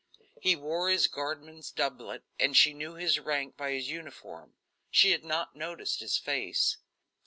He wore his guardsman's doublet, and she knew his rank by his uniform. She had not noticed his face.